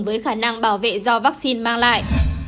với khả năng bảo vệ do vaccine mang lại